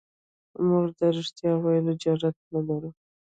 موږ د رښتیا ویلو جرئت نه لرو.